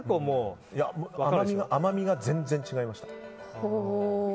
甘みが全然、違いました。